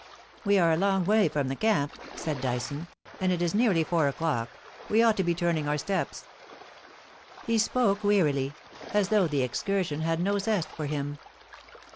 * We are a long way from the camp,' said Dyson, * and it is nearly four o'clock ; we ought to be turning our steps.' He spoke wearily, as though the excursion had no zest for him.